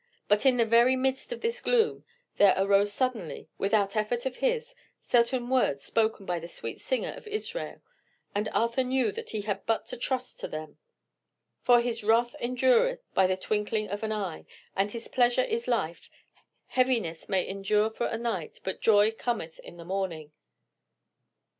But in the very midst of this gloom, there arose suddenly, without effort of his, certain words spoken by the sweet singer of Israel; and Arthur knew that he had but to trust to them: "For his wrath endureth but the twinkling of an eye, and in his pleasure is life; heaviness may endure for a night, but joy cometh in the morning."